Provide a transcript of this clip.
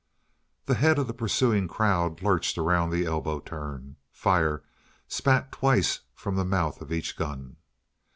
The head of the pursuing crowd lurched around the elbow turn; fire spat twice from the mouth of each gun.